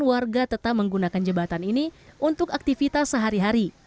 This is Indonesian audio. warga tetap menggunakan jembatan ini untuk aktivitas sehari hari